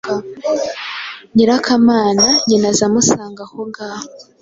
Nyirakamana: Nyina aze amusanga ahongaho